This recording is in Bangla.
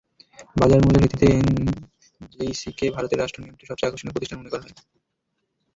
বাজারমূল্যের ভিত্তিতে ওএনজিসিকে ভারতের রাষ্ট্রনিয়ন্ত্রিত সবচেয়ে আকর্ষণীয় প্রতিষ্ঠান মনে করা হয়।